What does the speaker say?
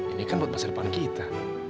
ini kan buat masa depan kita